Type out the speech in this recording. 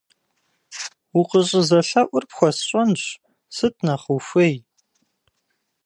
Укъыщӏызэлъэӏур пхуэсщӏэнщ, сыт нэхъ ухуей?